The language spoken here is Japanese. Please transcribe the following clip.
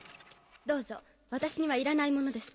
どうぞ私にはいらないものです。